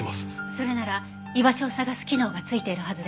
それなら居場所を捜す機能が付いているはずでは？